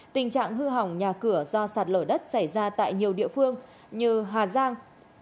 tình trạng hư hỏng nhà cửa do sạt lở đất xảy ra tại nhiều địa phương như hà giang